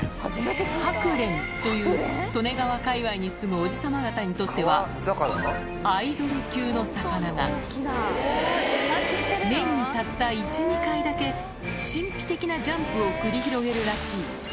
ハクレンという利根川界わいに住むおじさま方にとっては、アイドル級の魚が、年にたった１、２回だけ神秘的なジャンプを繰り広げるらしい。